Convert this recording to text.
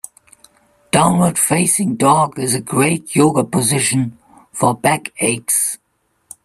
Downward facing dog is a great Yoga position for back aches.